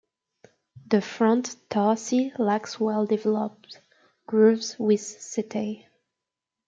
The front tarsi lacks well developed grooves with setae.